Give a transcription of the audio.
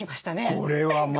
これはもう。